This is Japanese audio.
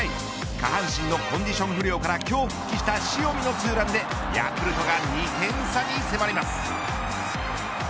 下半身のコンディション不良から今日復帰した塩見のツーランでヤクルトが２点差に迫ります。